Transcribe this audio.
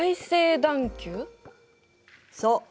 そう。